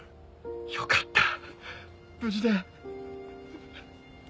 よかった無事で。